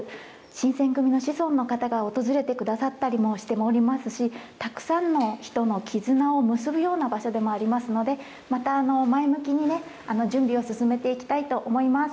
新撰組の子孫の方が訪れてくださったりもしておりますし、たくさんの人の絆を結ぶような場所でもありますので、また、前向きに準備を進めていきたいと思います。